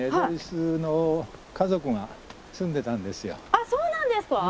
あっそうなんですか！？